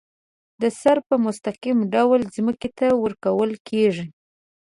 دا سره په مستقیم ډول ځمکې ته ورکول کیږي.